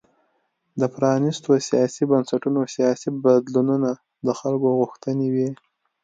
د پرانیستو سیاسي بنسټونو سیاسي بدلونونه د خلکو غوښتنې وې.